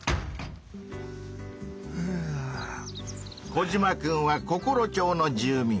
コジマくんはココロ町の住民。